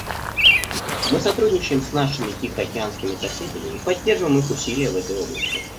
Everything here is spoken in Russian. Мы сотрудничаем с нашими тихоокеанскими соседями и поддерживаем их усилия в этой области.